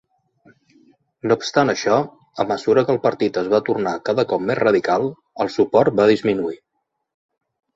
No obstant això, a mesura que el partit es va tornar cada cop més radical, el suport va disminuir.